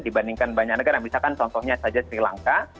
dibandingkan banyak negara misalkan contohnya saja sri lanka